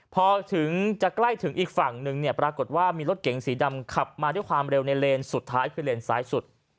พอถึงจะใกล้ถึงอีกฝั่งนึงเนี่ยปรากฏว่ามีรถเก๋งสีดำขับมาด้วยความเร็วในเลนสุดท้ายคือเลนซ้ายสุด